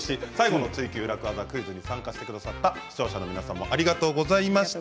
クイズに参加してくださった視聴者の皆さんもありがとうございました。